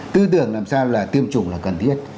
tư tưởng làm sao là tiêm chủng là cần thiết